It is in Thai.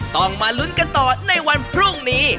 ต้องมาลุ้นกันต่อในวันพรุ่งนี้